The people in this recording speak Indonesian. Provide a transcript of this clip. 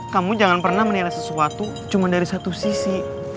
kamu jangan pernah menilai sesuatu cuma dari satu sisi